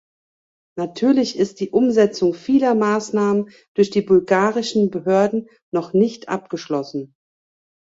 Natürlich ist die Umsetzung vieler Maßnahmen durch die bulgarischen Behörden noch nicht abgeschlossen.